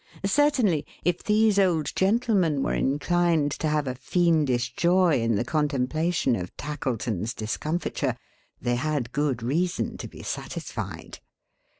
Certainly, if these old gentlemen were inclined to have a fiendish joy in the contemplation of Tackleton's discomfiture, they had good reason to be satisfied.